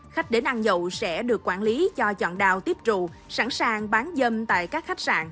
khách đến ăn nhậu sẽ được quản lý cho chọn đào tiếp trụ sẵn sàng bán dâm tại các khách sạn